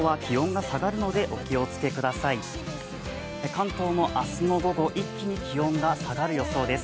関東も明日の午後一気に気温が下がる予想です。